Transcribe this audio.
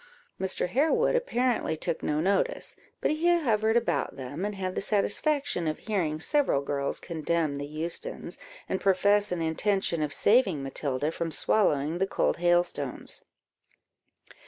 Mr. Harewood apparently took no notice, but he hovered about them, and had the satisfaction of hearing several girls condemn the Eustons, and profess an intention of saving Matilda from swallowing the cold hailstones.